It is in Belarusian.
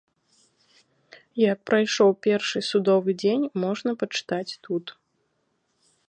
Як прайшоў першы судовы дзень можна пачытаць тут!